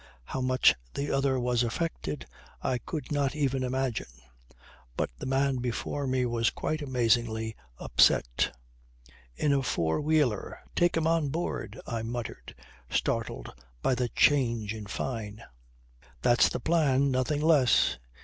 How much the other was affected I could not even imagine; but the man before me was quite amazingly upset. "In a four wheeler! Take him on board!" I muttered, startled by the change in Fyne. "That's the plan nothing less.